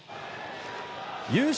優勝